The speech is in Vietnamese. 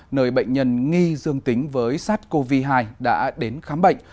nơi bệnh nhân nghi dương tính với sars cov hai đã đến khám bệnh